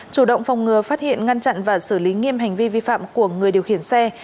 chủ động phòng ngừa phát hiện ngăn chặn và xử lý nghiêm hành vi vi phạm của người điều khiển xe